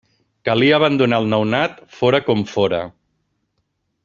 Calia abandonar el nounat, fóra com fóra.